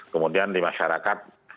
kemudian di masyarakat